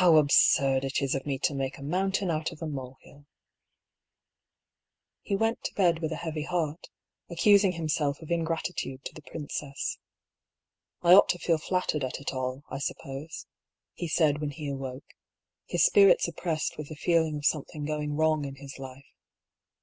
How absurd it is of me to make a mountain out of a molehill !" He went to bed with a heavy heart, accusing him self of ingratitude to the princess. "TWIXT THE CUP AND THE LIP." 219 " I ought to feel flattered at it all, I suppose," he said when he awoke, his spirits oppressed with the feel ing of something going wrong in his life.